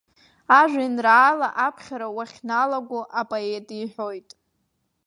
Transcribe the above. Ажәеинраала аԥхьара уахьналаго апоет иҳәоит.